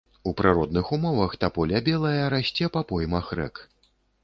У прыродных умовах таполя белая расце па поймах рэк.